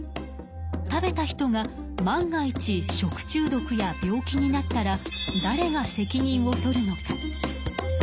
食べた人が万が一食中毒や病気になったら誰が責任をとるのか？